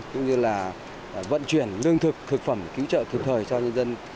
cũng như là vận chuyển lương thực thực phẩm cứu trợ kịp thời cho nhân dân